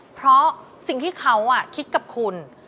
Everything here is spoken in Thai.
เพราะสิ่งที่เขาคิดกับคุณ